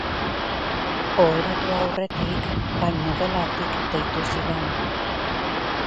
Oheratu aurretik, bainugelatik deitu zidan.